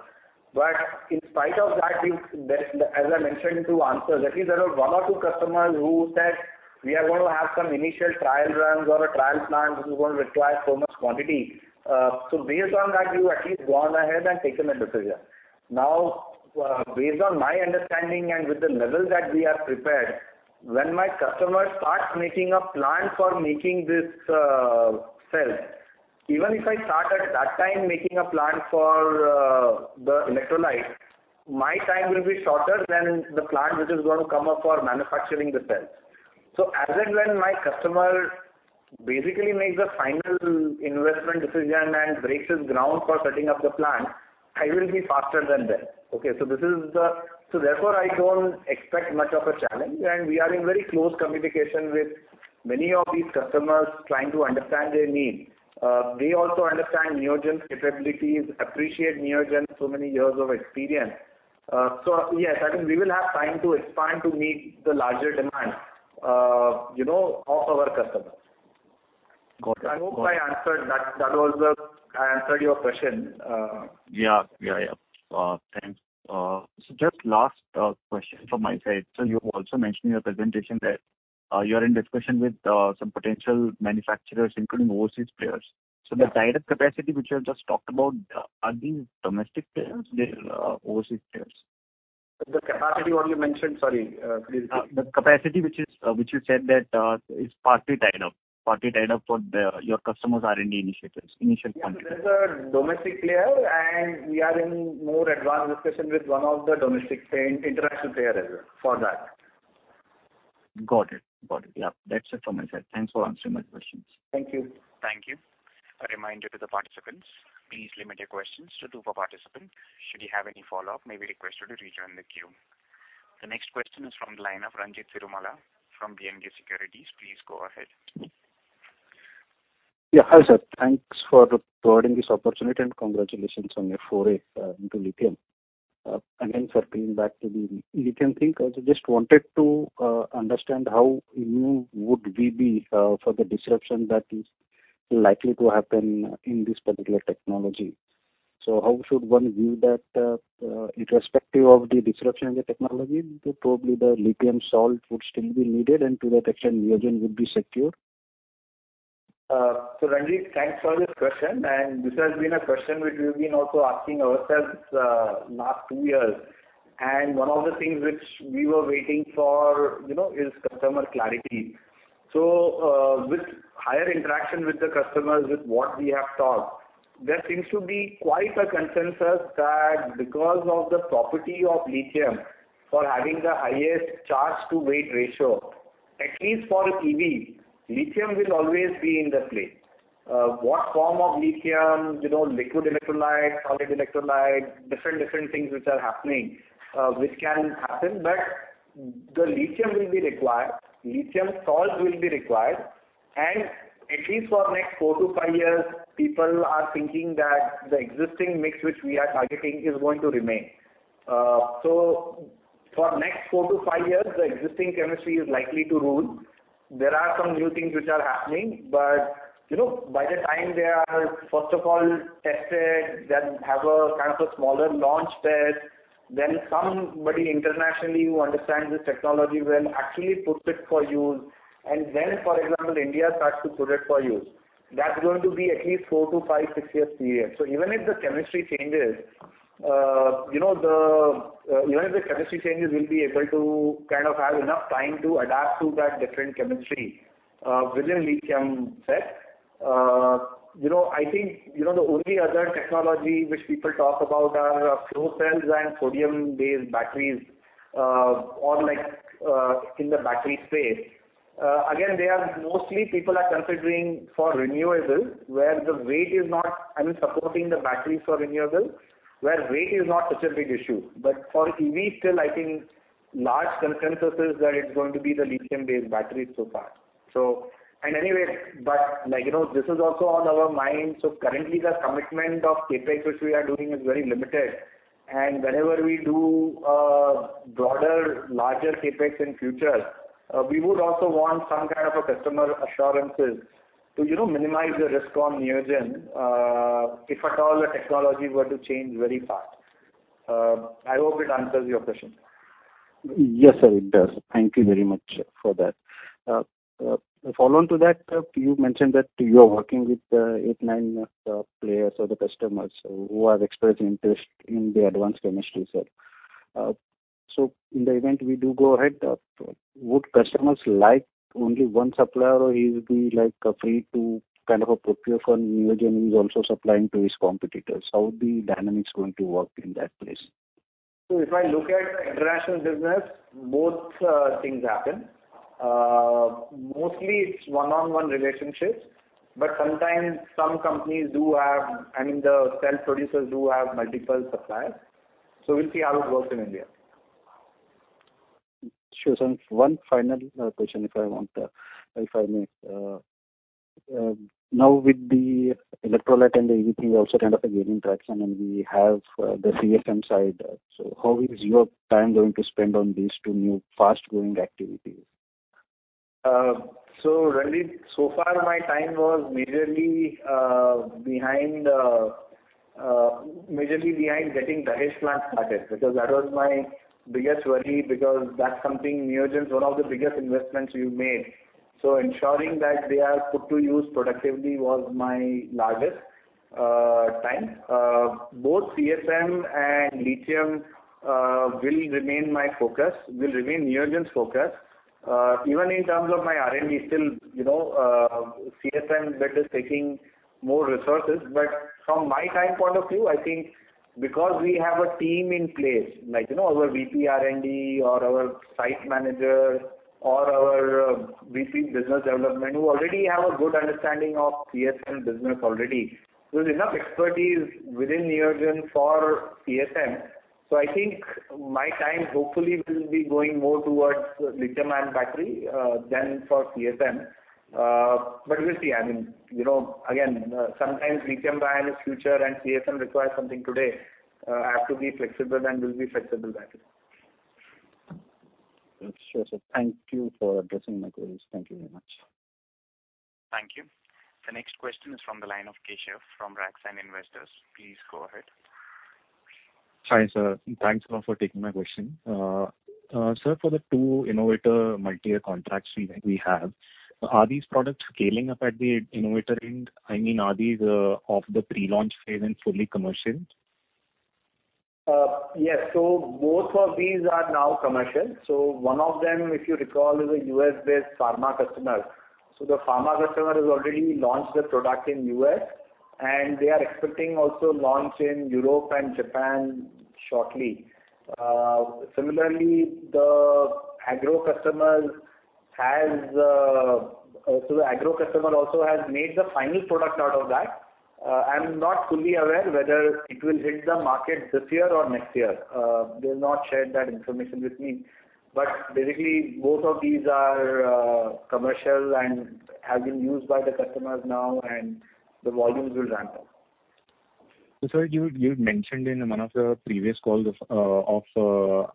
But in spite of that, there's as I mentioned in two answers, at least there were one or two customers who said we are going to have some initial trial runs or a trial plant which is gonna require so much quantity. Based on that, we've at least gone ahead and taken a decision. Now, based on my understanding and with the level that we are prepared, when my customer starts making a plan for making this cell, even if I start at that time making a plan for the electrolyte, my time will be shorter than the plant which is going to come up for manufacturing the cells. As and when my customer basically makes the final investment decision and breaks his ground for setting up the plant, I will be faster than them. Okay. Therefore, I don't expect much of a challenge. We are in very close communication with many of these customers trying to understand their need. They also understand Neogen's capabilities, appreciate Neogen's so many years of experience. Yes, I think we will have time to expand to meet the larger demand, you know, of our customers. Got it. Got it. I hope I answered that. That also I answered your question. Yeah. Thanks. Just last question from my side. You've also mentioned in your presentation that you're in discussion with some potential manufacturers, including overseas players. Yeah. The tied up capacity which you have just talked about, are these domestic players? They are, overseas players? The capacity what we mentioned? Sorry, please repeat. The capacity which you said that is partly tied up for your customers' R&D initiatives, initial contract. Yeah. There's a domestic player, and we are in more advanced discussion with one of the domestic player and international player as well for that. Got it. Yeah. That's it from my side. Thanks for answering my questions. Thank you. Thank you. A reminder to the participants, please limit your questions to two per participant. Should you have any follow-up, may we request you to rejoin the queue. The next question is from the line of Ranjit Cirumalla from B&K Securities. Please go ahead. Yeah. Hi, sir. Thanks for providing this opportunity, and congratulations on your foray into lithium. Again, for being back to the lithium thing, I just wanted to understand how immune would we be to the disruption that is likely to happen in this particular technology. How should one view that, irrespective of the disruption in the technology? Probably the lithium salt would still be needed, and to that extent Neogen would be secure. Ranjit, thanks for this question, and this has been a question which we've been also asking ourselves, last two years. One of the things which we were waiting for, you know, is customer clarity. With higher interaction with the customers, with what we have talked, there seems to be quite a consensus that because of the property of lithium for having the highest charge to weight ratio, at least for EV, lithium will always be in the play. What form of lithium, you know, liquid electrolyte, solid electrolyte, different things which are happening, which can happen, but the lithium will be required. Lithium salt will be required. At least for next four to five years, people are thinking that the existing mix which we are targeting is going to remain. For next 4-5 years, the existing chemistry is likely to rule. There are some new things which are happening, but, you know, by the time they are first of all tested, then have a kind of a smaller launch test, then somebody internationally who understands this technology well actually puts it for use and then, for example, India starts to put it for use, that's going to be at least 4-5, six years period. Even if the chemistry changes, we'll be able to kind of have enough time to adapt to that different chemistry within lithium cell. You know, I think, you know, the only other technology which people talk about are flow cells and sodium-based batteries. Or like, in the battery space. Again, they are mostly people are considering for renewables, where the weight is not, I mean, supporting the batteries for renewables, where weight is not such a big issue. But for EV still, I think large consensus is that it's going to be the lithium-based batteries so far. Anyway, but like, you know, this is also on our mind. Currently the commitment of CapEx, which we are doing, is very limited. Whenever we do a broader, larger CapEx in future, we would also want some kind of a customer assurances to, you know, minimize the risk from Neogen, if at all the technology were to change very fast. I hope it answers your question. Yes, sir, it does. Thank you very much for that. Follow on to that, you mentioned that you are working with eight, nine players or the customers who are expressing interest in the advanced chemistry, sir. So in the event we do go ahead, would customers like only one supplier or he will be like free to kind of procure from Neogen who is also supplying to his competitors? How would the dynamics going to work in that place? If I look at the international business, both things happen. Mostly it's one-on-one relationships, but sometimes some companies do have, I mean, the cell producers do have multiple suppliers. We'll see how it works in India. Sure, sir. One final question if I may. Now, with the electrolyte and the EV also kind of gaining traction and we have the CSM side, how are you going to spend your time on these two new fast-growing activities? Ranjit, so far my time was majorly behind getting Dahej plant started because that was my biggest worry because that's something Neogen's one of the biggest investments we've made. Ensuring that they are put to use productively was my largest time. Both CSM and lithium will remain my focus, will remain Neogen's focus. Even in terms of my R&D still, you know, CSM bit is taking more resources. From my time point of view, I think because we have a team in place, like, you know, our VP R&D or our site manager or our VP business development, who already have a good understanding of CSM business already. There's enough expertise within Neogen for CSM. I think my time hopefully will be going more towards lithium-ion battery than for CSM. We'll see. I mean, you know, again, sometimes lithium-ion is future and CSM requires something today. I have to be flexible and will be flexible that way. Sure, sir. Thank you for addressing my queries. Thank you very much. Thank you. The next question is from the line of Keshav from RakSan Investors. Please go ahead. Hi, sir. Thanks a lot for taking my question. Sir, for the two innovator multi-year contracts we have, are these products scaling up at the innovator end? I mean, are these off the pre-launch phase and fully commercial? Both of these are now commercial. One of them, if you recall, is a U.S.-based pharma customer. The pharma customer has already launched the product in U.S., and they are expecting also launch in Europe and Japan shortly. Similarly, the agro customer also has made the final product out of that. I'm not fully aware whether it will hit the market this year or next year. They've not shared that information with me. Basically, both of these are commercial and have been used by the customers now and the volumes will ramp up. Sir, you mentioned in one of the previous calls of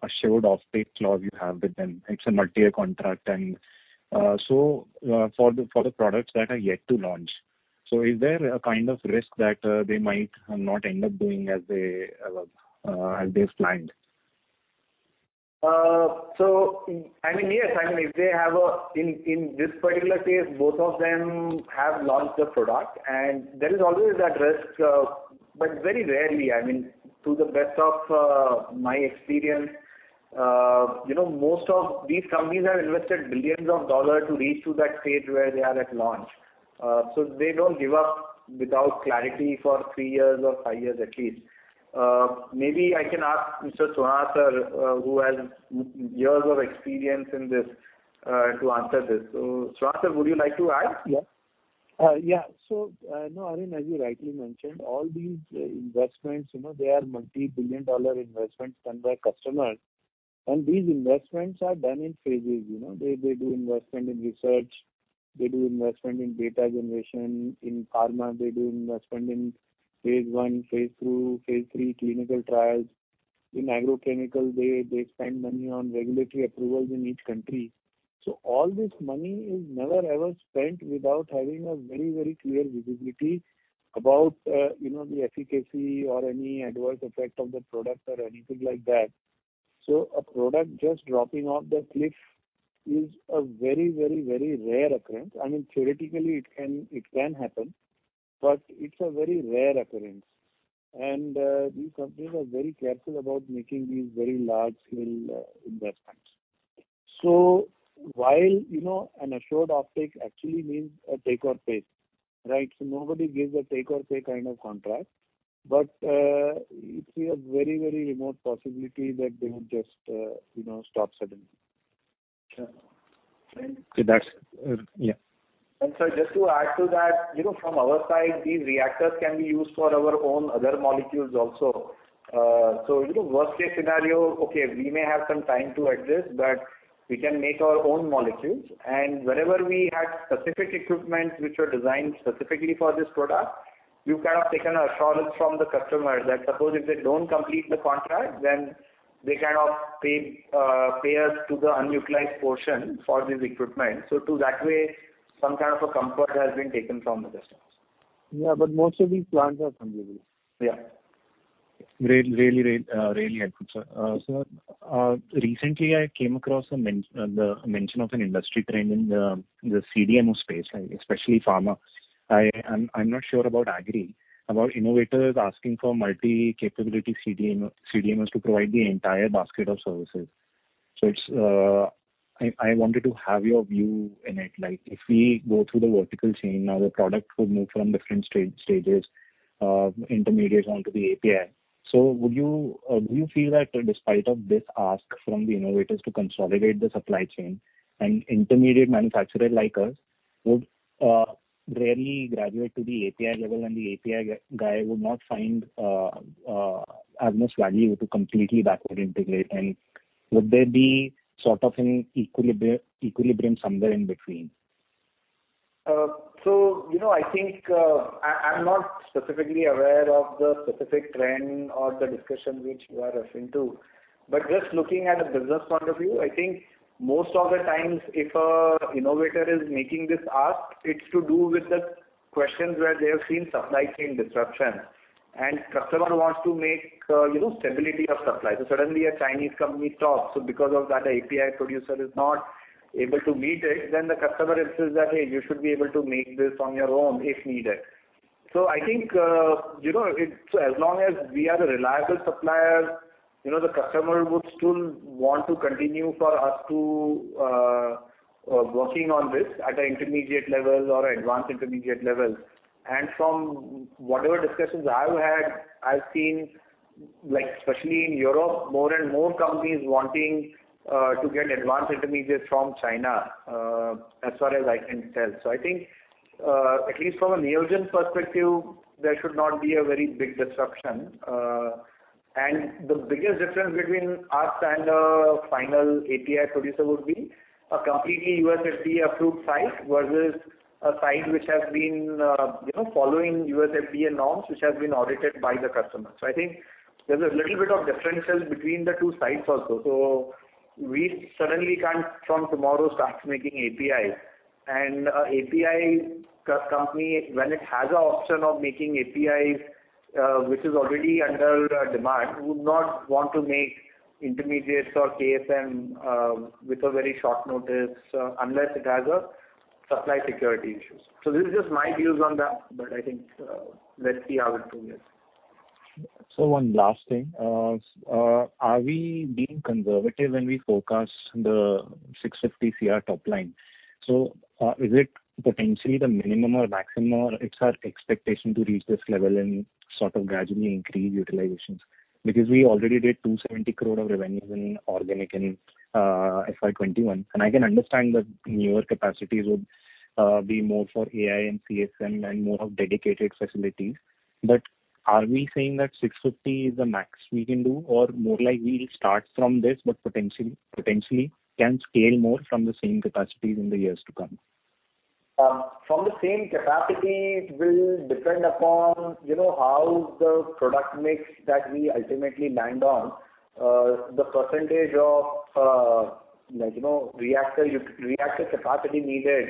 assured off-take clause you have with them. It's a multi-year contract. For the products that are yet to launch, is there a kind of risk that they might not end up doing as they've planned? I mean, yes, in this particular case, both of them have launched the product and there is always that risk, but very rarely. I mean, to the best of my experience, you know, most of these companies have invested billions of dollars to reach to that stage where they are at launch. They don't give up without clarity for three years or five years at least. Maybe I can ask Mr. Swarnakar, who has many years of experience in this, to answer this. Swarnakar, would you like to add? Yeah. No, Harin, as you rightly mentioned, all these investments, you know, they are multi-billion dollar investments done by customers. These investments are done in phases. You know, they do investment in research. They do investment in data generation. In pharma, they do investment in phase I, phase II, phase III clinical trials. In agrochemical, they spend money on regulatory approvals in each country. All this money is never, ever spent without having a very, very clear visibility about, you know, the efficacy or any adverse effect of the product or anything like that. A product just dropping off the cliff is a very, very, very rare occurrence. I mean, theoretically it can happen, but it's a very rare occurrence. These companies are very careful about making these very large-scale investments. While, you know, an assured offtake actually means a take or pay, right? Nobody gives a take or pay kind of contract, but it's a very, very remote possibility that they would just, you know, stop suddenly. Sure. And- That's yeah. Just to add to that, you know, from our side, these reactors can be used for our own other molecules also. You know, worst-case scenario, okay, we may have some time to adjust, but we can make our own molecules. Wherever we had specific equipment which were designed specifically for this product, you kind of taken assurance from the customer that suppose if they don't complete the contract, then they kind of pay us to the unutilized portion for this equipment. To that way, some kind of a comfort has been taken from the business. Yeah. Most of these plants are consumable. Yeah. Great. Really helpful, sir. So recently I came across the mention of an industry trend in the CDMO space, like especially pharma. I'm not sure about agri, about innovators asking for multi-capability CDMO, CDMOs to provide the entire basket of services. I wanted to have your view in it. Like if we go through the vertical chain, now the product would move from different stages of intermediates onto the API. Would you feel that despite of this ask from the innovators to consolidate the supply chain, an intermediate manufacturer like us would rarely graduate to the API level and the API guy would not find as much value to completely backward integrate? Would there be sort of an equilibrium somewhere in between? I'm not specifically aware of the specific trend or the discussion which you are referring to. Just looking at a business point of view, I think most of the times if an innovator is making this ask, it's to do with the questions where they have seen supply chain disruptions. Customer wants to make stability of supply. Suddenly a Chinese company stops, so because of that API producer is not able to meet it, then the customer insists that, "Hey, you should be able to make this on your own if needed." I think it's as long as we are the reliable supplier, you know, the customer would still want to continue for us to working on this at an intermediate level or advanced intermediate level. From whatever discussions I've had, I've seen, like especially in Europe, more and more companies wanting to get advanced intermediates from China, as far as I can tell. I think, at least from a Neogen perspective, there should not be a very big disruption. The biggest difference between us and a final API producer would be a completely USFDA approved site versus a site which has been, you know, following USFDA norms, which has been audited by the customer. I think there's a little bit of differences between the two sites also. We suddenly can't from tomorrow start making APIs. An API company, when it has an option of making APIs, which is already in demand, would not want to make intermediates or KSM, with a very short notice, unless it has supply security issues. This is just my views on that, but I think, let's see how it progresses. One last thing. Are we being conservative when we forecast the 650 crore top line? Is it potentially the minimum or maximum or it's our expectation to reach this level and sort of gradually increase utilizations? Because we already did 270 crore of revenues in organic in FY 2021. I can understand that newer capacities would be more for API and KSM and more of dedicated facilities. Are we saying that 650 crore is the max we can do or more like we'll start from this but potentially can scale more from the same capacities in the years to come? From the same capacity, it will depend upon, you know, how the product mix that we ultimately land on, the percentage of, you know, reactor capacity needed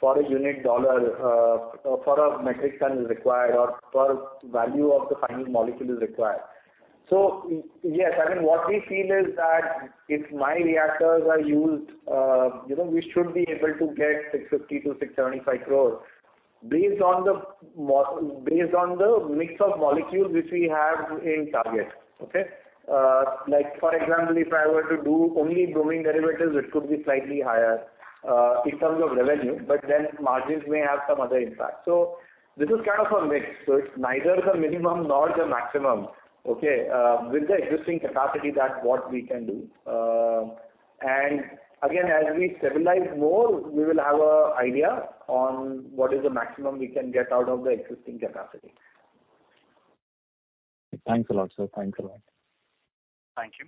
for a unit dollar, for a metric ton is required or per value of the final molecule is required. Yes, I mean, what we feel is that if my reactors are used, you know, we should be able to get 650 crore-675 crore based on the based on the mix of molecules which we have in target. Okay? Like for example, if I were to do only bromine derivatives, it could be slightly higher, in terms of revenue, but then margins may have some other impact. This is kind of a mix. It's neither the minimum nor the maximum. Okay? With the existing capacity, that's what we can do. Again, as we stabilize more, we will have an idea on what is the maximum we can get out of the existing capacity. Thanks a lot, sir. Thanks a lot. Thank you.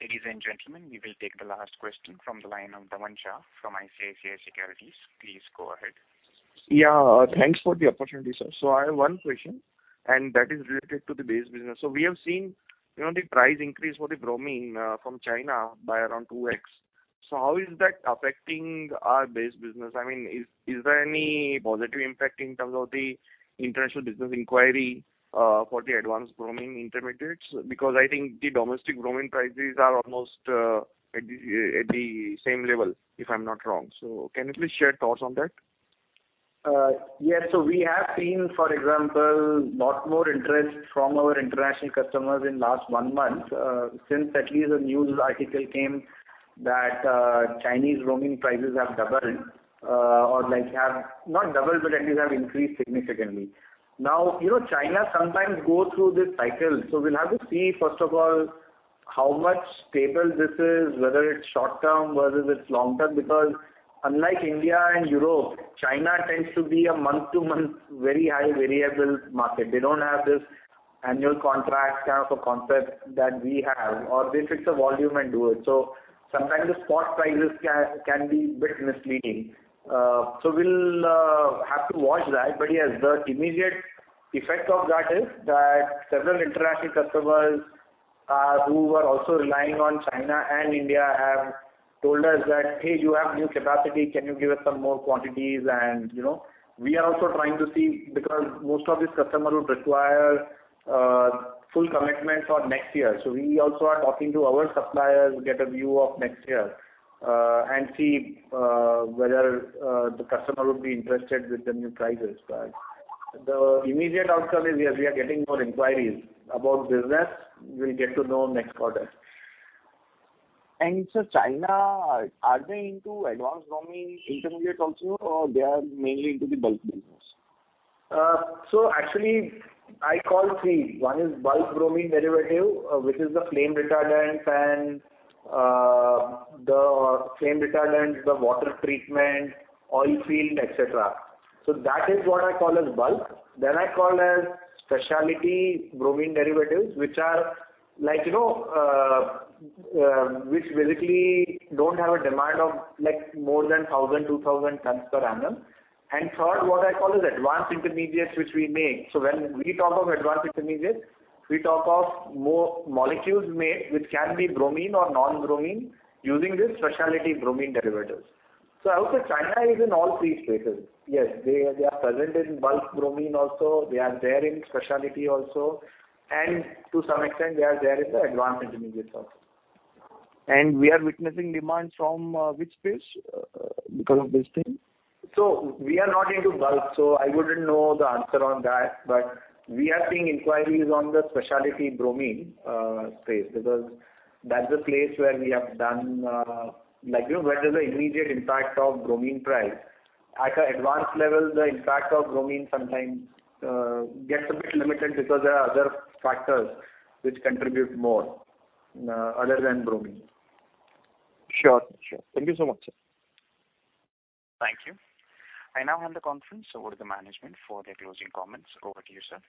Ladies and gentlemen, we will take the last question from the line of Manan Shah from ICICI Securities. Please go ahead. Yeah. Thanks for the opportunity, sir. I have one question, and that is related to the base business. We have seen, you know, the price increase for the bromine from China by around 2x. How is that affecting our base business? I mean, is there any positive impact in terms of the international business inquiry for the advanced bromine intermediates? Because I think the domestic bromine prices are almost at the same level, if I'm not wrong. Can you please share thoughts on that? Yes. We have seen, for example, a lot more interest from our international customers in the last one month, since at least a news article came that Chinese bromine prices have doubled, or like have not doubled, but at least have increased significantly. Now, you know, China sometimes go through this cycle, so we'll have to see, first of all, how stable this is, whether it's short-term versus it's long-term. Because unlike India and Europe, China tends to be a month-to-month very high variable market. They don't have this annual contract kind of a concept that we have, or they fix a volume and do it. Sometimes the spot prices can be a bit misleading. We'll have to watch that. Yes, the immediate effect of that is that several international customers who were also relying on China and India have told us that, "Hey, you have new capacity. Can you give us some more quantities?" You know, we are also trying to see because most of these customers would require full commitment for next year. We also are talking to our suppliers to get a view of next year and see whether the customer would be interested with the new prices. The immediate outcome is, yes, we are getting more inquiries about business. We'll get to know next quarter. China, are they into advanced bromine intermediates also, or they are mainly into the bulk business? Actually I call three. One is bulk bromine derivative, which is the flame retardant, the water treatment, oil field, etc. That is what I call as bulk. Then I call as specialty bromine derivatives, which are like, you know, which basically don't have a demand of, like, more than 1,000, 2,000 tons per annum. Third, what I call is advanced intermediates, which we make. When we talk of advanced intermediates, we talk of molecules made, which can be bromine or non-bromine using this specialty bromine derivatives. I would say China is in all three spaces. Yes. They are present in bulk bromine also. They are there in specialty also, and to some extent they are there in the advanced intermediates also. We are witnessing demand from which space because of this thing? We are not into bulk, so I wouldn't know the answer on that. We are seeing inquiries on the specialty bromine space because that's the place where we have done, like, you know, where there's an immediate impact of bromine price. At an advanced level, the impact of bromine sometimes gets a bit limited because there are other factors which contribute more, other than bromine. Sure. Thank you so much, sir. Thank you. I now hand the conference over to the management for their closing comments. Over to you, sir.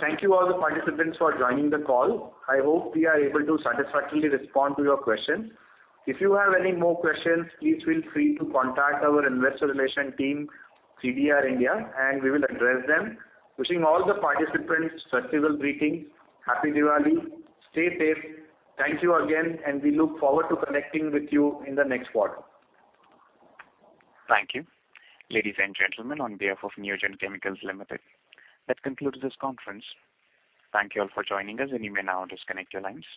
Thank you all the participants for joining the call. I hope we are able to satisfactorily respond to your questions. If you have any more questions, please feel free to contact our investor relations team, CDR India, and we will address them. Wishing all the participants festival greetings. Happy Diwali. Stay safe. Thank you again, and we look forward to connecting with you in the next quarter. Thank you. Ladies and gentlemen, on behalf of Neogen Chemicals Limited, that concludes this conference. Thank you all for joining us, and you may now disconnect your lines.